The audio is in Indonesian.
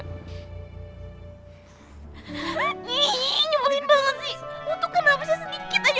nyebelin banget sih